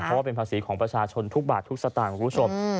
เพราะว่าเป็นภาษีของประชาชนทุกบาททุกสตางค์คุณผู้ชม